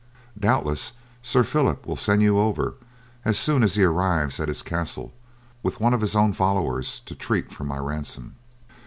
Doubtless Sir Phillip will send you over, as soon as he arrives at his castle, with one of his own followers to treat for my ransom."